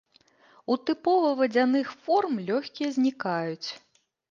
У тыпова вадзяных форм лёгкія знікаюць.